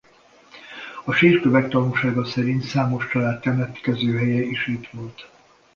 A sírkövek tanúsága szerint számos család temetkezőhelye is itt volt.